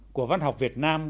của văn học việt nam